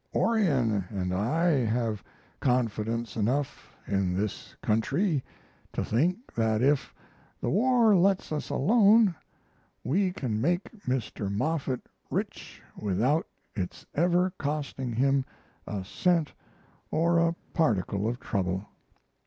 Orion and I have confidence enough in this country to think that if the war lets us alone we can make Mr. Moffett rich without its ever costing him a cent or a particle of trouble.